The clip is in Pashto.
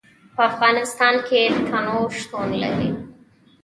په افغانستان کې تنوع شتون لري.